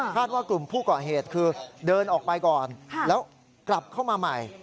ว่ากลุ่มผู้ก่อเหตุคือเดินออกไปก่อนแล้วกลับเข้ามาใหม่